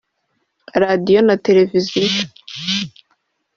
Radiyo na televiziyo